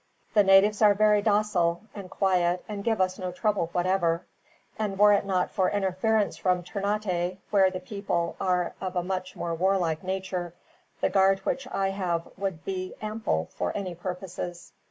The natives are very docile and quiet, and give us no trouble whatever; and were it not for interference from Ternate, where the people are of a much more warlike nature, the guard which I have would be ample for any purposes.